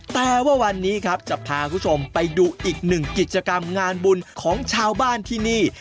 แต่ว่าวันนี้ครับจะพาคุณผู้ชมไปดูอีกหนึ่งกิจกรรมงานบุญของชาวบ้านที่นี่